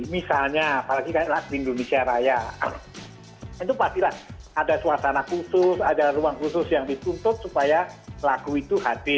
misalnya apalagi indonesia raya itu pastilah ada suasana khusus ada ruang khusus yang dituntut supaya lagu itu hadir